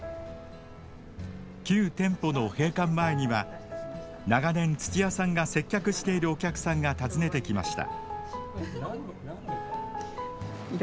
旧店舗の閉館前には長年土屋さんが接客しているお客さんが訪ねてきました。